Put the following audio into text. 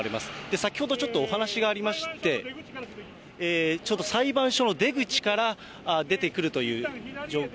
先ほどちょっとお話がありまして、ちょっと裁判所の出口から出てくるという状況。